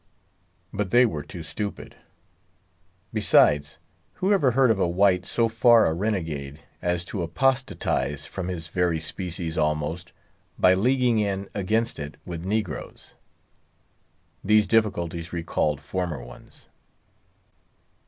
But they were too stupid. Besides, who ever heard of a white so far a renegade as to apostatize from his very species almost, by leaguing in against it with negroes? These difficulties recalled former ones.